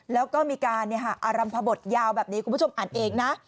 แล้วก็มีการอารัมพบทยาวแบบนี้คุณผู้ชมอ่านเองนะ